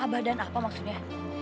abah abah dan apa maksudnya